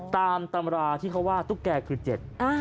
ตามตำราที่เขาว่าตุ๊กแก่คือเจ็ด